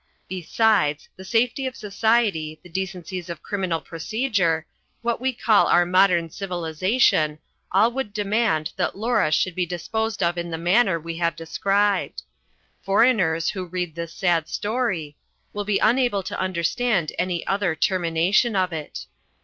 Besides, the safety of society, the decencies of criminal procedure, what we call our modern civilization, all would demand that Laura should be disposed of in the manner we have described. Foreigners, who read this sad story, will be unable to understand any other termination of it.